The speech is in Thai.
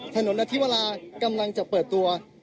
นาธิวรากำลังจะเปิดตัว